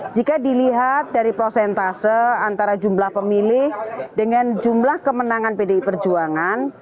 jika dilihat dari prosentase antara jumlah pemilih dengan jumlah kemenangan pdi perjuangan